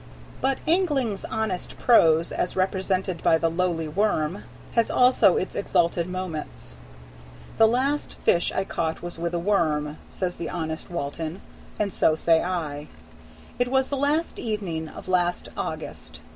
But angling's honest prose, as represented by the lowly worm, has also its exalted moments. "The last fish I caught was with a worm," says the honest Walton, and so say I. It was the last evening of last August.